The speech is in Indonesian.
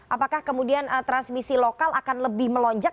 apakah kemudian transmisi lokal akan lebih melonjak